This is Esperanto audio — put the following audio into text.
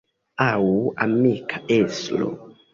Aŭ amika estro.